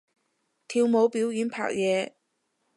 跳舞表演拍嘢